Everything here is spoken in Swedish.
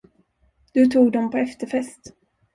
Du tog dem på efterfest.